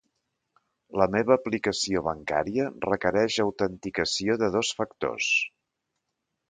La meva aplicació bancària requereix autenticació de dos factors.